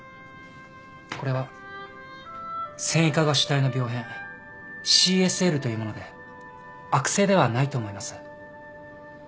これは繊維化が主体の病変ＣＳＬというもので悪性ではないと思います。